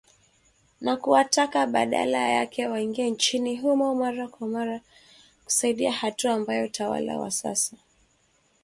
Na kuwataka badala yake waingie nchini humo mara kwa mara kusaidia hatua ambayo utawala wa sasa ulikataa na kusema kwamba ni mbaya